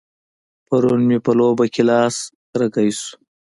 پرون مې په لوبه کې لاس رګی شو.